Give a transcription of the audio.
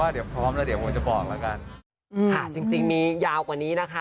๑๒๕จริงจริงยาวกว่านี้นะคะ